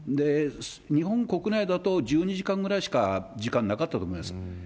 日本国内だと１２時間ぐらいしか時間なかったと思います。